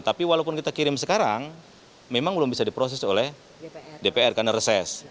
tapi walaupun kita kirim sekarang memang belum bisa diproses oleh dpr karena reses